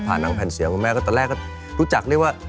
นางแผ่นเสียงคุณแม่ก็ตอนแรกก็รู้จักเรียกว่า